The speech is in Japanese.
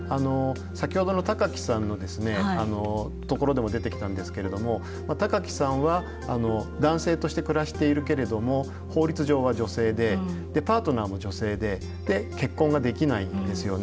先ほどの貴毅さんのところでも出てきたんですけれども貴毅さんは男性として暮らしているけれども法律上は女性でパートナーも女性で結婚ができないんですよね。